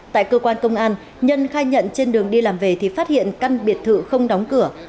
tại cơ quan công an nhân khai nhận trên đường đi làm về thì phát hiện căn biệt thự không đóng cửa